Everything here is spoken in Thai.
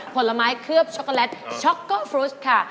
ผลไม้เคลือบช็อกโกแลตช็อกโกฟรุชค่ะ